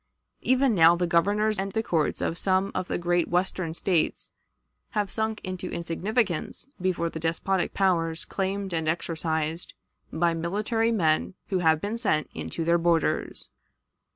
Even now the Governors and the courts of some of the great Western States have sunk into insignificance before the despotic powers claimed and exercised by military men who have been sent into their borders."